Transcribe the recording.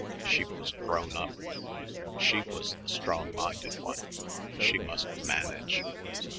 She was grown up. She was the strong minded one. She must manage.